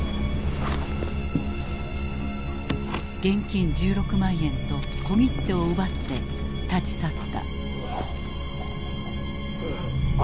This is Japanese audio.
現金１６万円と小切手を奪って立ち去った。